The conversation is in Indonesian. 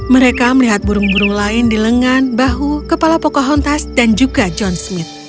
mereka melihat burung burung lain di lengan bahu kepala pocahontas dan juga john smith